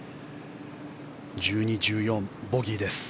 １２、１４、ボギーです。